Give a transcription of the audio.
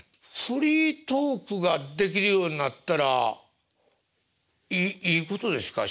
フリートークができるようになったらいいことですか？